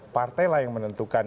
partai lah yang menentukan